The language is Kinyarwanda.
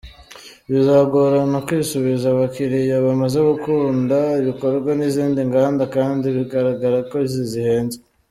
Bizagorana kwisubiza abakiliya bamaze gukunda ibikorwa n’izindi nganda, kandi bigaragara ko izi zihenze.